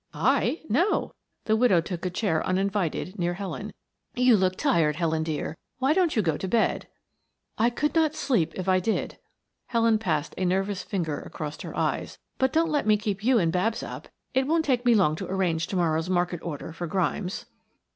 "I? No." The widow took a chair uninvited near Helen. "You look tired, Helen dear; why don't you go to bed?" "I could not sleep if I did." Helen passed a nervous finger across her eyes. "But don't let me keep you and Babs up; it won't take me long to arrange to morrow's market order for Grimes."